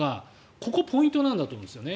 ここ、ポイントなんだと思うんですよね。